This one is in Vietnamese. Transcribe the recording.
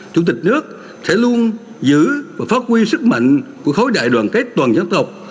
chủ tịch nước sẽ luôn giữ và phát huy sức mạnh của khối đại đoàn kết toàn dân tộc